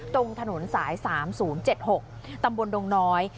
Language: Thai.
ตรงถนนสาย๓๐๗๖ตำบลดงน้อย